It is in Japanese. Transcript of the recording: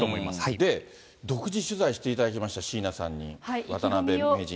で、独自取材していただきました、椎名さんに、渡辺名人に。